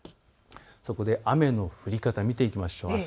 そこで雨の降り方、見ていきましょう。